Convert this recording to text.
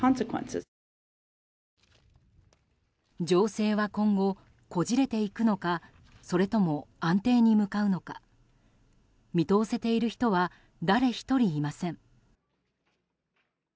情勢は今後、こじれていくのかそれとも安定に向かうのか見通せている人は誰一人いません。